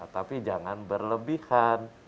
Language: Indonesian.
tapi jangan berlebihan